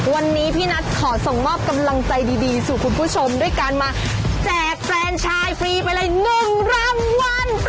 วันนี้พี่นัทขอส่งมอบกำลังใจดีสู่คุณผู้ชมด้วยการมาแจกแฟนชายฟรีไปเลย๑รางวัล